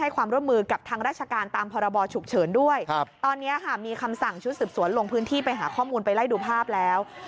กลุ่มกลับก็ย้ำนะคะ